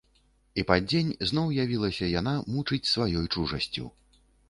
І пад дзень зноў явілася яна мучыць сваёй чужасцю.